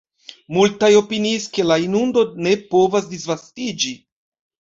Multaj opiniis, ke la inundo ne povas disvastiĝi.